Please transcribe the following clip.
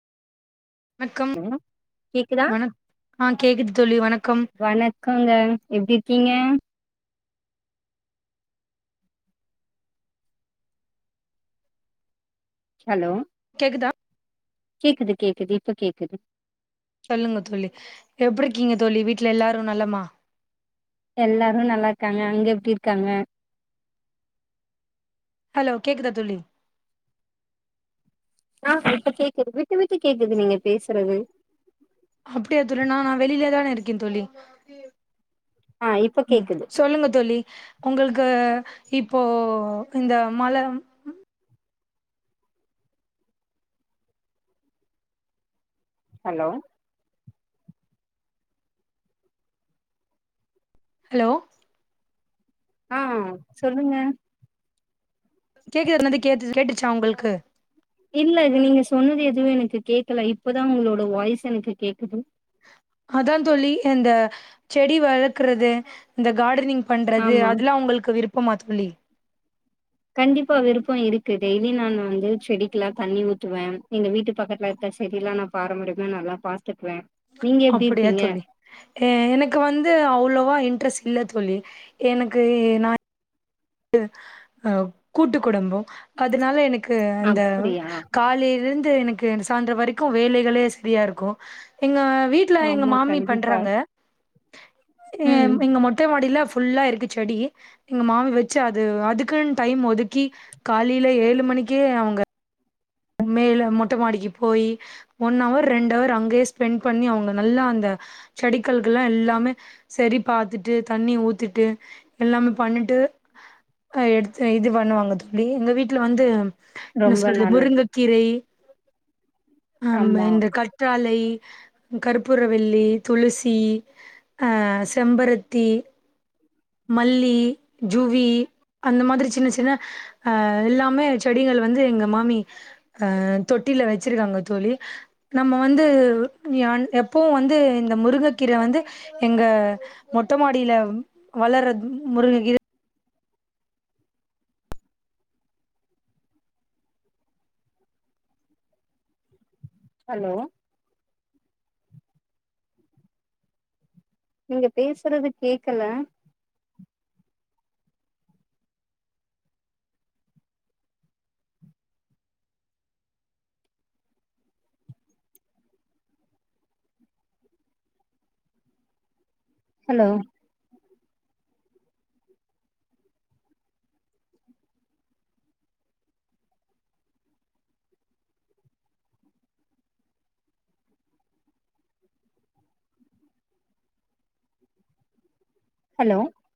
வணக்கம் ஹலோ கேக்குதா வணக் ஆ கேக்குது தோழி வணக்கம் காங்க எப்டி இருக்கீங்க ஹலோ கேக்குதா கேக்குது கேக்குது இப்ப கேக்குது சொல்லுங்க தோழி எப்டி இருக்கீங்க தோழி வீட்ல எல்லாரு நலமா எல்லாரு நல்லாருக்காங்க அங்க எப்டி இருக்காங்க ஹலோ கேக்குதா தோழி ஆ இப்ப கேக்குது விட்டு விட்டு கேக்குது நீங்க பேசறது அப்டியா தோழி நா நா வெளிலதான இருக்க தோழி ஆ இப்ப ம் கேக்குது சொல்லுங்க தோழி உங்களுக்கு இப்போ இந்த மழ ஹலோ ஹலோ ஆ சொல்லுங்க கேக்குது [inaudible] கே கேட்டுச்சா உங்களுக்கு இல்ல அது நீங்க சொன்னது எதுவு எனக்கு கேக்கல இப்பதா உங்களோட வாய்ஸ் எனக்கு கேக்குது அதா தோழி இந்த செடி வளக்கறது இந்த கார்டனிங் பண்றது ஆமா அதெல்லா உங்களுக்கு விருப்பமா தோழி கண்டிப்பா விருப்போ இருக்கு டெய்லி நான் வந்து செடிக்கெல்லா தண்ணி ஊ த்துவேன் எங்க வீட்டு பக்கத்துல இருக்க செடில்லா நா பாரம்பரியமா நல்லா பாத்துக்குவ அப்டியா தோழி எ எனக்கு வந்து அவ்ளோவா இன்ட்ரெஸ்ட் இல்ல தோழி எனக்கு நா அ கூட்டு குடும்போ அதுனால எனக்கு அந்த அப்டியா காலைலந்து எனக்கு ஏறு சாய்ந்தரோ வரைக்கு வேலைகளே செரியா இருக்கு எங்க வீ ட்ல எங்க ஆமா மாமி கண்டிப்பா பண்றாங்க எ ம் எங்க மொ ட்ட மாடில ஃபுல்லா இருக்கு செடி எங்க மாமி வெ ச்ச அது அதுக்குன்னு டைம் ஒதுக்கி காலைல ஏழு மணிக்கே அவுங்க மேல மொட்ட மாடிக்கு போய் ஒன் அவர் ரெண்டு அவர் அங்கயே ஸ்பெண்ட் பண்ணி அவுங்க நல்லா அந்த செடிகள்கலெல்லா எல்லாமே சரி பாத்துட்டு தண்ணி ஊத்திட்டு எல்லாமே பண்ணிட்டு அ எடுத்து இது பண்ணுவாங்க தோழி எங்க வீட்ல வந்து என்ன ரொம்ப சொல்றது நல்லது முருங்கக்கீரை அம் ஆமா இந்த க கற்றாழை, கற்பூரவள்ளி, துளசி ஆ செம்பருத்தி மல்லி, ஜூவி அந்த மாரி சின்ன சின்ன அ எல்லாமே செடிகள் வந்து எங்க மாமி அ தொட்டில வெச்சிருக்காங்க தோழி நம்ம வந்து யான் எப்பவு வந்து இந்த முருக கீர வந்து எங்க மொட்ட மாடில வளர்ற முருங்ககீர ஹலோ நீங்க பேசறது கேக்கல ஹலோ ஹலோ